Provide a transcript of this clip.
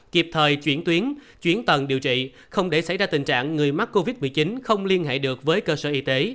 kịp thời chuyển tuyến chuyển tầng điều trị không để xảy ra tình trạng người mắc covid một mươi chín không liên hệ được với cơ sở y tế